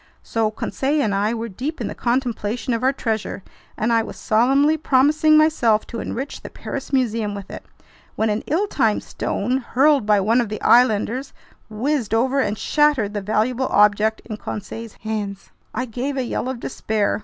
So Conseil and I were deep in the contemplation of our treasure, and I was solemnly promising myself to enrich the Paris Museum with it, when an ill timed stone, hurled by one of the islanders, whizzed over and shattered the valuable object in Conseil's hands. I gave a yell of despair!